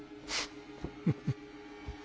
フフッ。